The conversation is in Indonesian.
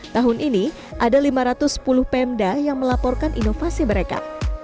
tahun ini ada lima ratus sepuluh pemda yang melaporkan inovasi mereka